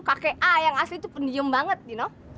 kakek i yang asli tuh penyium banget you know